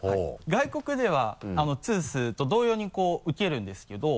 外国では「トゥース」と同様にウケるんですけど。